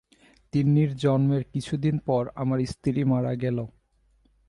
তিন্নির জন্মের কিছু দিন পর আমার স্ত্রী মারা গেল।